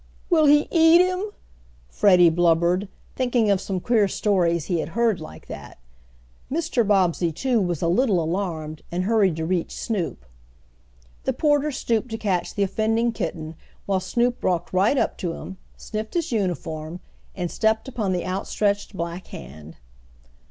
"Will he eat him?" Freddie blubbered, thinking of some queer stories he had heard like that. Mr. Bobbsey, too, was a little alarmed and hurried to reach Snoop. The porter stooped to catch the offending kitten, while Snoop walked right up to him, sniffed his uniform, and stepped upon the outstretched black hand.